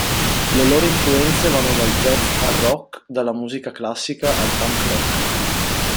Le loro influenze vanno dal jazz al rock, dalla musica classica al punk rock.